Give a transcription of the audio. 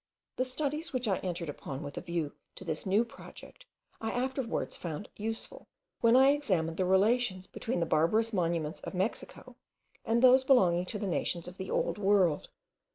The studies which I entered upon with a view to this new project, I afterwards found useful, when I examined the relations between the barbarous monuments of Mexico, and those belonging to the nations of the old world.